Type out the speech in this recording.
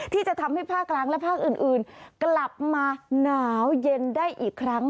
ที่จะทำให้ภาคกลางและภาคอื่นกลับมาหนาวเย็นได้อีกครั้ง